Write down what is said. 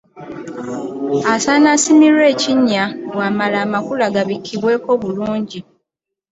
Asaana asimirwe ekinnya bw’amala amakula gabikkibweko bulungi.